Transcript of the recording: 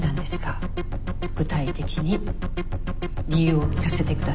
具体的に理由を聞かせて下さい。